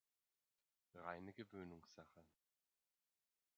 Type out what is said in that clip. Reine Gewöhungssache.